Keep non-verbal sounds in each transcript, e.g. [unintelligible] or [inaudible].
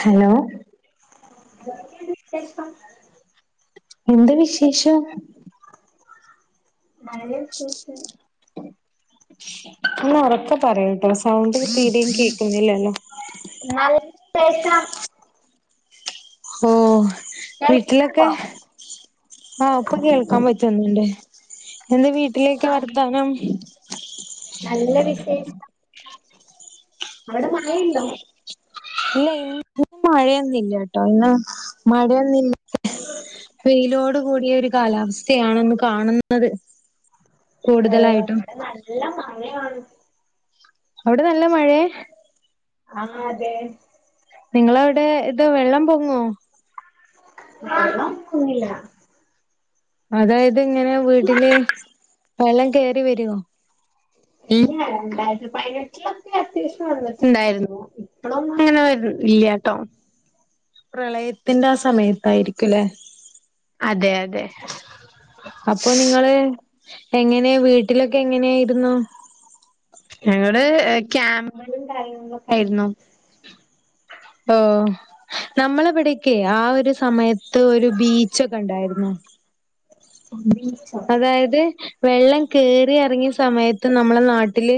Hello എന്തൊക്കെ ണ്ട് വിശേഷം എന്ത് വിശേഷം മഴ സീസൺ ഒന്നൊറക്കെ പറയുട്ടോ സൗണ്ട് തീരേം കേക്കുന്നില്ലല്ലോ [unintelligible] ശേഷം ഓഹ് വീട്ട്ലൊക്കെ കേൾക്കുന്നുണ്ടോ ആഹ് പ്പൊ കേക്കാൻ പറ്റുന്ന്ണ്ട് എന്താ വീട്ടിലേക്ക ആ, വർത്താനം നല്ല വിശേഷം അവിടെ മഴ ണ്ടോ മഴയൊന്നില്ല ട്ടോ ന്ന് മഴയൊന്നി വെയിലോട് കൂടിയ ഒരു കാലാവസ്ഥയാണ് ന്ന് കാണുന്നത്. ഓ കൂടുതലായിട്ടും വടെ നല്ല മഴയാണ്. അവ്ടെ നല്ല മഴേ ആഹ അതെ. നിങ്ങളവിടെ ഇത് വെള്ളം പൊങ്ങോ? വെള്ളം പൊങ്ങില്ല. അതായത് ഇങ്ങനെ വീട്ടില് വെള്ളം കേറി വരോ. ഇല്ല രണ്ടായിരതി പതിനെട്ട് അത്യാവശ്യം ഉണ്ടായിരുന്നു ഇപ്പളും അങ്ങനെ വരണ്ല്യ ട്ടോ. പ്രളയത്തിന്റെ ആ സമയതായിരികുലേ. അതെ അതെ. അപ്പൊ നിങ്ങള് എങ്ങനെയ വീട്ടിലൊക്കെ, എങ്ങനെയാരുന്നു ഞങ്ങളോട് ക്യാമ്പിലും കാര്യങ്ങളൊക്ക ആയിരുന്നു. ഓ നമ്മളെവിടക്കെ ആ ഒരു സമയത്ത് ഒരു ബീച്ച്ക്കെ ഉണ്ടായിരുന്നു. ഉ..... അതായത് വെള്ളം കേറി ഇറങ്ങിയ സമയത്ത് നമ്മടെ നാട്ടില്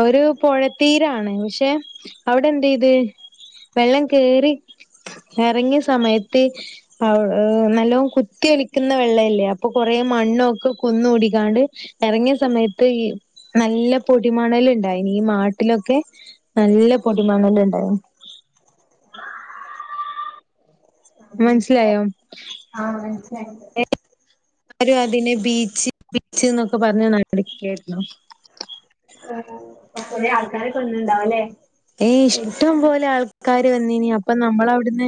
ഒരു പുഴത്തീരാണ് പക്ഷെ അവിടെ എന്ത് ചെയ്ത്. വെള്ളം കേറി ഇറങ്ങിയ സമയത്ത് നല്ലോ കുത്തി ഒലിക്കുന്ന വെള്ളല്ലേ അപ്പൊ കൊറേ മണ്ണൊക്കെ കൂന്ന് കുടിക്കാണ്ട് ഇറങ്ങിയ സമയത്ത് നല്ല പൊടിമണല് ഉണ്ടായി. ഈ നാട്ടിലൊക്കെ നല്ല പൊടിമണലുണ്ടായി. മനസ്സിലായോ ആ [unintelligible] എല്ലാരും അതിനെ ബീച്ച് ബീച്ച് എന്നൊക്കെ പറഞ്ഞ നടക്കായിരുന്നു. ആ കൊറേ ആൾക്കാരൊക്കെ വന്നുണ്ടാവല്ലേ. ഏ ഇഷ്ടം പോലെ ആൾക്കാ വന്നെന്, അപ്പൊ നമ്മള അവിടുന്ന്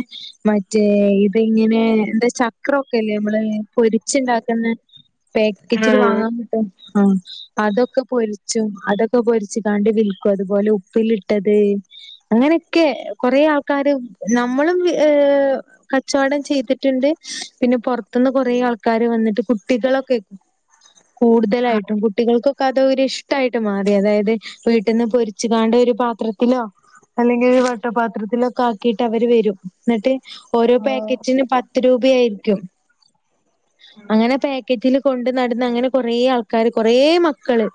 മറ്റേ ഇത് ഇങ്ങനെ എന്താ ചക്രൊക്കെ അല്ലേ നമ്മള് പൊരിച്ചുണ്ടാക്കുന്ന പാക്കേജിൽ ആഹ് വാങ്ങാൻ ആ അതൊക്കെ പൊരിച്ചും അതൊക്കെ പൊരിച്ച് കാണ്ടി വിൽക്കും അതുപോലെ ഉപ്പിലി ട്ടത് അങ്ങനെയൊക്കെ കൊറെേ ആൾക്കാര് നമ്മളുംഎ ച്ചവടം ചെയ്തിട്ടുണ്ട്. പിന്നെ പൊറത്തുന്ന് കൊറേ ആൾക്കാര് വന്നിട്ട് കുട്ടികളൊക്കെ കൂടുതലായിട്ടും കുട്ടികൾക്ക്‌ അതൊരിഷ്ടമായിട്ട് മാറി. അതായത് വീട്ടിൽന്ന് പൊരിച്ചുകാണ്ട് പത്രത്തിലോ അല്ലെങ്കിൽ വട്ടപാത്രത്തിലോക്കെ ആക്കിയിട്ട് അവർ വരും എന്നിട്ട് ഓരോ ആഹ് പാക്കറ്റിന് പത്ത് രൂപയായിരിക്കും. അങ്ങനെ പാക്കറ്റില് കൊണ്ട് നടന്ന് അങ്ങനെ കൊറേ ആൾക്കാര് കൊറേ മ ക്കള്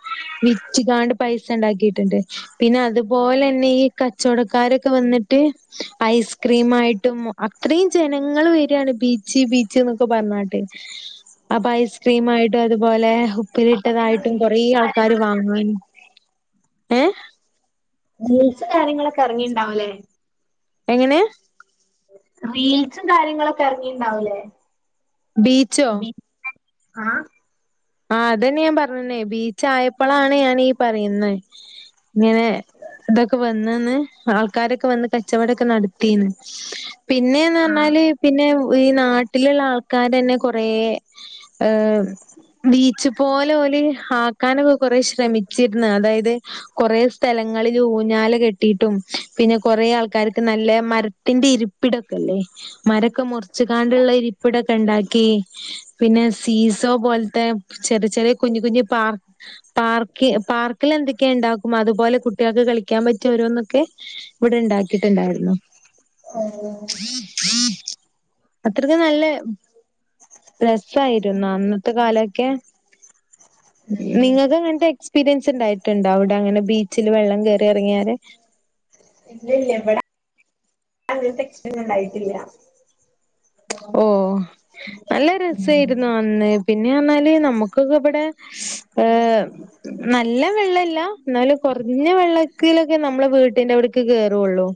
വിറ്റ് കാണ്ട് പൈസ ഉണ്ടാക്കിട്ടുണ്ട് പിന്നെ അതേ ന്നീ കച്ചോടക്കാരൊക്കെ വന്നിട്ട് ഐസ്ക്രീം ആയിട്ടും അത്രേം ജ ജനങ്ങള് വര്യായാണ് ബീച്ച് ബീച്ച് എന്നൊക്കെ പറഞാട്ട്. അപ്പൊ ഐസ്ക്രീം ആയിട്ടും അതുപോലെ അപ്പൊ പിന്നെ ഉപ്പിലിട്ടതായിട്ടും റീൽസും കൊറേ ആൾക്കാര് കാര്യങ്ങളൊക്കെ ഇറങ്ങി വാങ്ങൻ....... മീൽസ് കാര്യങ്ങളൊക്കെ ഇറങ്ങിണ്ടാവുംല്ലേ. എങ്ങനെ റീൽസും കാര്യങ്ങളൊക്കെ ഇറങ്ങിണ്ടാവുല്ലേ..... ബീച്ചോ...... ആഹ...... ആ അതന്നെ ഞാൻ പറഞ്ഞന്നേ ബീച്ച് ആയപ്പോളാണ് ഞാനീ പറയുന്ന...... ഇങ്ങനെ ഇതൊക്കെ വന്നന്ന് ആൾക്കാരൊക്കെ വന്ന് കച്ചവടൊക്കെ നടത്തിന്ന്...... പിന്നെന്ന് ആഹ് പറഞ്ഞാല് പിന്നെ....... ഈ നാട്ടിലുള്ള ആൾക്കാര് ന്നെ കൊറേ ഹ...... ബീച്ച് പോലെ പോലെ ആക്കാനൊക്കെ കുറ ശ്രമിച്ചിരുന്നു അതായത് കുറേ സ്ഥ...... ള ഊഞ്ഞാല കെട്ടിയിട്ടും പിന്നെ കൊറേ ആൾക്കാർക്ക് നല്ല മരത്തിന്റെ ഇരിപ്പിടൊക്കെല്ലേ മരക്കെ മുർ ഉച്ചുകാണ്ടുള്ള ഇരിപ്പിടൊക്കെ ഉണ്ടാക്കി പിന്നെ സീസോ പോലത്തെ ചെറിയ ചെറിയ കുഞ്ഞു കുഞ്ഞു പാർ പാർക്ക് പാർക്കിൽ എന്തൊക്കെയാ ഉണ്ടാക്കും അതുപോലെ കുട്ടികൾക്ക് കളിക്കാൻ പറ്റും രോന്നൊക്കെ ഇവിടെണ്ടും ആാക്കിയിട്ടുണ്ടായിരുന്നു ഓ അത്രയ്ക്ക് നല്ല രസായിരുന്നു അന്നത്തെ കാല ഉം നിങ്ങക്ക്ങ്ങതെ എക്സ്പീരിയൻസ് ഉണ്ടായിട്ടുണ്ട അവിടെ അങ്ങനെ ബീച്ചില് വെള്ളം കേറി ഇറങ്ങിയല് ഇല്ല ഇല്ല ഇവിടെ അങ്ങൻത്തെ [unintelligible] ഉണ്ടായിട്ടില്ല ഓ ഉ നല്ല രസായിരുന്നു അന്ന് പിന്നെ പറഞ്ഞാല് നമുക്ക് ഒക്കെ ഇവിടെ ഹ നല്ല വെള്ള ഇല്ല എന്നാലും കുറഞ്ഞ വെള്ളം വക്കയിലൊക്കെ നമ്മളെ വീട്ടിന്റെ അവിടേക്ക് കേയറുള്ളു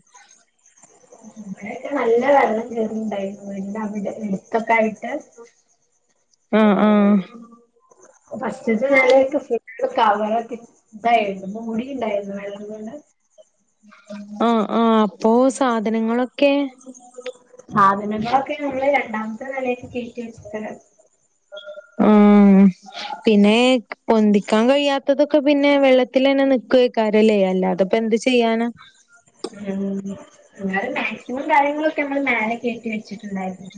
ളവിടെക്കെ നല്ല വെള്ളം കേറീണ്ടായിരുന്നു എന്ത അവിടെ എടുത്തൊക്കെ ആയിട്ട് ആഹ ആഹ ഫസ്റ്റ് [unintelligible] ഇടെ കവറൊക്കെ ഇതായിരുന്നു മുടിണ്ടായിരുന്നു വെള്ളം കൊണ്ട് ആഹ ആഹ അപ്പൊ സാധനങ്ങളൊക്കെ സാധനങ്ങളിക്കെ നമ്മള് രണ്ടാമത്തെ നിലയക്ക് കേറ്റി വെച്ചിട്ടരാ ഉ പിന്നെ പൊന്തിക്കാൻ കഴിയാത്ത ത്തതൊക്കെ പിന്നെ വെള്ളത്തി തന്നെ നിക്കുവക്കാര്യല്ലേ അല്ലാതപ്പോ എന്ത് ചെയ്യാന അങ്ങനെ മാക്സിമം കാര്യങ്ങളൊക്കെ നമ്മള് മേലെ കേറ്റി വെച്ച വച്ചിട്ടുണ്ടായിരുന്നു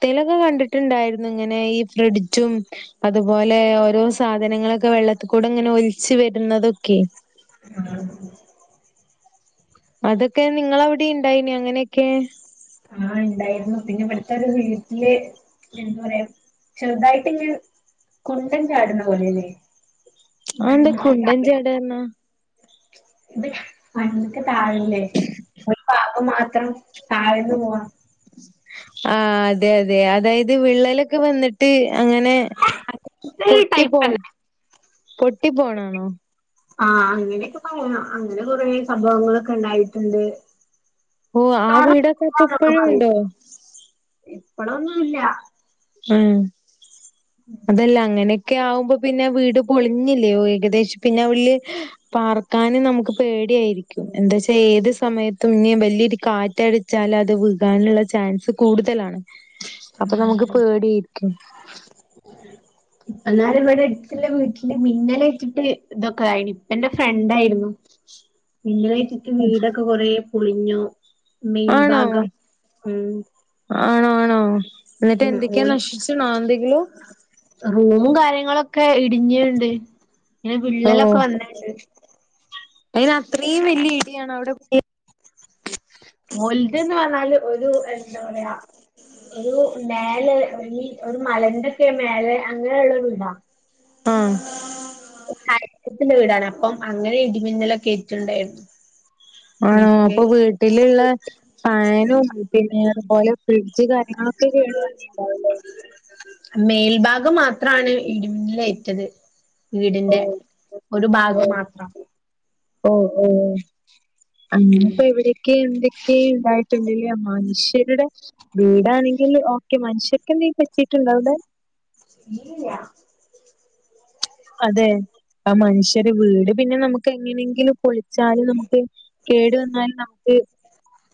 [unintelligible] ലൊക്കെ കണ്ടിട്ടുണ്ടായിരുന്നു ഇങ്ങനെ ഈ ഫ്രിഡ്ജും അതുപോലെ ഓരോ സാധനങ്ങളൊക്കെ വെള്ളത്തി കൂടെ ഇങ്ങനെ ഒലിച്ചു വരുന്നതൊക്കെ [unintelligible] അതൊക്കെ നിങ്ങ അവിടെ ഇണ്ടായിന അങ്ങനെയൊക്കെ ആഹ് ഉണ്ടായിരുന്നു പിന്നെ ഇവിടുത്തെ ഒരു വീട്ടില് എന്താ പറയാ ചെറുതായിട്ട് ഇ കുണ്ടൻ ചാടുന്ന പോലെയല്ലേ ആന്ത കുണ്ടൻചാടന്ന ഇത് പണ്ടൊക്കെ താഴില്ലേ പാപ്പ മാത്ര അത്രം താഴന്ന് പോ ആ അതെ അതെ അതായത് വിള്ളലൊക്കെ വന്നിട്ട് അങ്ങനെ ഇത് ഈ പൊട്ടി പോൺ ടൈപ്പന്നെ പൊട്ടി പോണാണോ ആ അങ്ങനെയൊക്കെ പറയാ അങ്ങനെ കൊറെ സംഭവങ്ങളൊക്കെ ഉണ്ടായിട്ടുണ്ട് ഓ ആ വീടൊക്കെ അത്ത് ഇപ്പഴും ഉണ്ടോ ഇപ്പളൊന്നുമല്ല ഉ അതെല്ലാം അങ്ങനെ ഒക്കെ ആവുമ്പോ പിന്നെ വീട് പൊളിഞ്ഞില്ലേോ ഏകദേശം പിന്നെ അവല് പാർക്കും നമുക്ക് പേടി എന്താച്ച ഏത് സമയത്തും ഇ വലിയൊരു കാറ്റടിച്ചാലൽ അത് വകാനുള്ള ചാൻസ് ത് കൂടുതലാണ് ഉം പടിരിക്ക ഉം അല ഇമ്മടെ അടുത്ത വീട്ടില് മിന്നലെ ഇട്ടിട്ട് ഇതൊക്കെ കായി ഇപ്പ ൻ്റെ ഫ്രണ്ടായിരുന്നു ഇന്നറ്റിട്ട് വീടൊക്കെ കൊറേ പുളിഞ്ഞു ആണോ മേൽഭാഗം ഉം ആണോ ആണോ എന്നിട്ട് ഉം എന്തൊക്കെയാ ഓൽ നശിച്ചു നാ എന്തെങ്കിലും റൂമും കാര്യങ്ങളൊക്കെ ഇടിഞ്ഞുണ്ട് ഇങ്ങനെ ഓ വിള്ളലൊക്കെ വന്നണ്ട് അതിന് അത്രയും വലിയ ഇടിയാണോ അവിടെ വല്തന്ന് പറഞ്ഞാല് ഒരു എന്താ പറയാ ഒരു നേല് ങ്കി ഒരു മലന്റെക്കെ മേലെ അങ്ങനെയുള്ള വീടാ ആ [unintelligible] ത്തിന്റെ വീടാണ് അപ്പം അങ്ങനെ ഇടിമിന്നലൊക്കെ ഏറ്റിണ്ടായിരുന്നു ആണോ അപ്പൊ വീട്ടിലുള്ള ഫാനും പിന്നെ അതുപോലെ ഫ്രിഡ്ജ് കാര്യങ്ങളൊക്കെ വീണ് [unintelligible] ഉണ്ടാവല്ലേ മേൽഭാഗം മാത്രാണ് ഇടിമിന്നിലേറ്റത് ഓ വീടിന്റെ ഒരു ഭാഗം മാത്രം ഓ ഓ ഉം അങ്ങപ്പോ എവിടെയൊക്കെ എന്തൊക്കെണ്ടായി കണ്ടില്ല മനുഷ്യരുടെ വീടാണെ ങ്കിലും ഓക്കെ മനുഷ്യക്കെന്തെലും പറ്റിട്ടുണ്ടോ അവിടെ അതെ ആ മനുഷ്യര് വീട് പിന്നെ നമുക്ക് എങ്ങനെങ്കിലും പൊളിച്ചാലും നമുക്ക് കേടു വന്നാൽ നമുക്ക്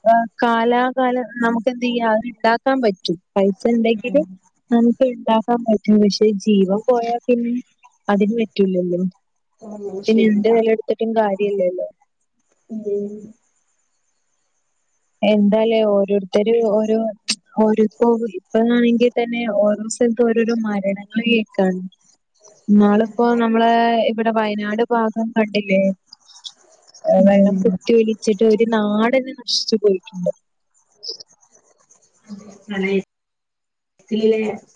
ആ കാലാകാല നമുക്ക് എന്ത് ചെയ്യാം അത് ഉണ്ടാക്കാൻ പറ്റും പൈസ ഉണ്ടെങ്കില് നമുക്ക് ഉണ്ടാക്കാൻ പറ്റും പക്ഷെ ജീവം പോയാൽ പിന്നെ അതിന് പറ്റൂലല്ലോ പിന്നെ എന്ത് ശരിയാ വില കൊടുത്തിട്ടും കാര്യ ഇല്ലല്ലോ ഉം എന്താലേ ഓരോരുത്തര് ഓരോ ഓര്പ്പോ ഇപ്പാണെങ്കിൽ തന്നെ ഓരോ സ്ഥലത്ത് ഓരോരോ മരണങ്ങള് കേക്കാണ് നാളിപ്പോ നമ്മളെ ഇവിടെ വയനാട് ഭാഗം കണ്ടില്ലേ വെള്ളം കുത്തി ഒലിച്ചിട്ട് ഒര് നാടന്നെ നശിച്ചു പോയിട്ടുണ്ട് അതെ [unintelligible]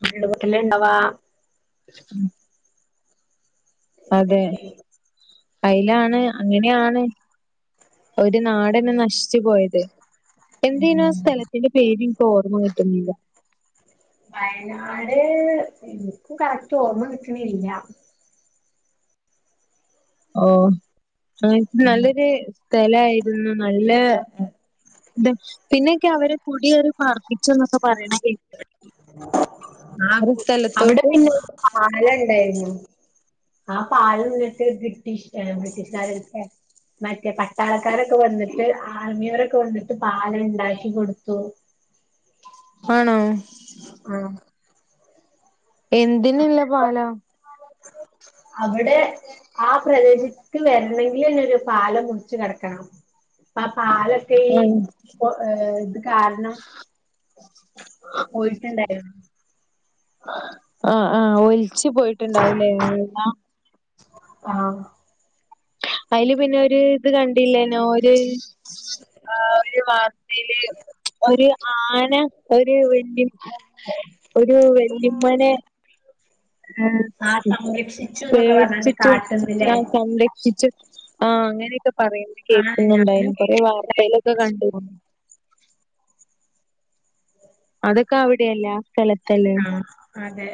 [unintelligible] ഇണ്ടവാ മ് അതെ അയ്ലാണ് അങ്ങനെയാണ് ഒര് നാടന്നെ നശിച്ചു പോയത് എന്തേനും ആ സ്ഥലത്തിന്റെ പേര് ഇപ്പോ ഓർമ്മ കിട്ടുന്നില്ല വയനാട് എനിക്കും കറക്റ്റ് ഓർമ്മ കിട്ടണില്ല ഓ അ നല്ലൊരു സ്ഥലയിരുന്നു നല്ല ദ പിന്നെക്കെ അവര് കുടിയേറി പർപ്പിച്ചു എന്നൊക്കെ പറയണ കെ ആ അവിടെ സ്ഥലത്തോട്ട് പിന്നട് പാല ഉണ്ടായിരുന്നു ആ പാലന്നിട്ട് ബ്രിട്ടീഷ് ബ്രിട്ടീഷുകാരൊക്ക മറ്റേ പട്ടാളക്കാരൊക്കെ വന്നിട്ട് ആർമിയോര ഒക്കെ വന്നിട്ട് പാലം ഉണ്ടാക്കി കൊടുത്തു ആണോ ആഹ് എന്തിനില്ല പാലം അവിടെ ആ പ്രദേശിക്ക് വരണഎങ്കില് എന്നെരു പാലം മുറച്ച് കടക്കണം അ പാലതെക്ക് ഈ ആഹ് ഇത് കാരണം പോയിട്ടുണ്ടായിരുന്നു ആഹ് ആഹ് ഒലിച്ച് പോയിട്ടുണ്ടാവുലേ അതെല്ലാം ആഹ് അതില് പിന്നെ ഒരു ഇത് കണ്ട ല്ലന ഒരു ആ ഒരു വാർത്തയില് ഒരു ആന ഒരു വീട്ടി ഒരു വല്ലിമ്മാനെ ആ ആഹ് സംരക്ഷിച്ചു എന്നൊക്കെ പറഞ്ഞാണ്ട് പേടിച്ചിട്ട് കാട്ടുന്നില്ലേ ഞാൻ സംരക്ഷിച്ചു ആഹ അങ്ങനെയൊക്കെ പറയുന്ന ആഹ് ഞാനും കേക്കുന്നുണ്ടായിരുന്നു കൊറെേ കേട്ടിട്ടുണ്ടായിരുന്നു വാർത്തയിലൊക്കെ കണ്ടിരുന്നു അതൊക്കെ അവിടെയല്ല ആഹ അതെ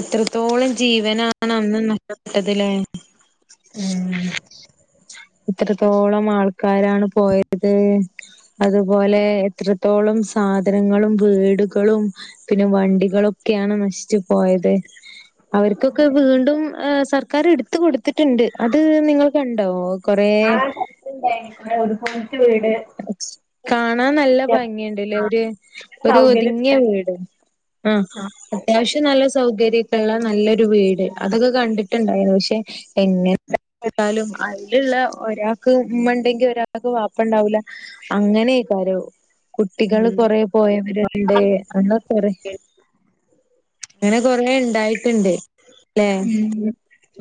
എത്രത്തോളം ജീവനാണ് അന്ന് നഷ്ടപ്പെട്ടതില്ലേ ഉം ഇത്രത്തോളം ആൾക്കാരാണ് പോയത് അതുപോലെ എത്ര ത്തോളം സാധനങ്ങളും വീടുകളും പിന്നെ വണ്ടികളൊക്കെയാണ് നശിച്ചു പോയത് അവർക്കൊക്കെ അതെ വീണ്ടുംമ്മ് സർക്കാർ എടുത്തു കൊടുത്തിട്ടുണ്ട് അത് നിങ്ങൾ കണ്ടോ കൊറേ ണ്ട ഒരു പോയിറ്റ് വീട് കാണാൻ നല്ല ഭംഗിയുണ്ട് ല്ലേ ഒരു സൗകര്യം ഒതുങ്ങിയ വീട് ആഹ ആ, അത്യാവിശം അതെ നല്ല സൗകര്യ ള്ള നല്ലൊരു വീട് അതൊക്കെ കണ്ടിട്ടുണ്ടായിരുന്നു. പക്ഷെ എന്നെ കൊണ്ട് ഏതായാലും അതി ഒരാൾക്ക് ഉമ്മ ഉണ്ടെങ്കിൽ ഒരാൾക്ക് വാപ്പണ്ടാവൂല അങ്ങനെ അഴിക്കാരം കുട്ടികള് കൊറെ പോയവരുണ്ട് ആ കൊറെ അങ്ങനെ കൊറെ ഉണ്ടായിട്ടുണ്ട് ഉം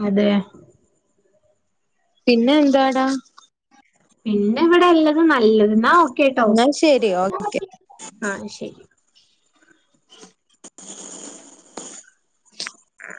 അതെ പിന്നെ എന്താടാ പിന്നെ ഇവിടെല്ലത് നല്ലത് എന്നാ ഓക്കെട്ടോ എന്നാ ശരി ഓ ആഹ ശരി ശ്.......